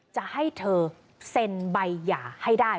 จะให้เธอเซ็นใบหย่าให้ได้